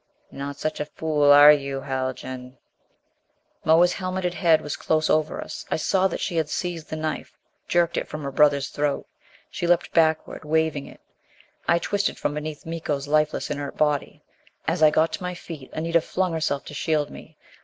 "Not such a fool are you, Haljan " Moa's helmeted head was close over us. I saw that she had seized the knife, jerked it from her brother's throat. She leaped backward, waving it. I twisted from beneath Miko's lifeless, inert body. As I got to my feet, Anita flung herself to shield me.